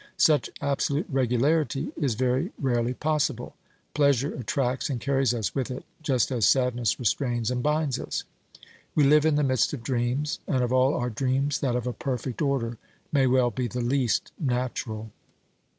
Such absolute regularity 2 8o OBERMANN is very rarely possible. Pleasure attracts and carries us with it, just as sadness restrains and binds us. We live in the midst of dreams, and of all our dreams that of a perfect order may well be the least natural.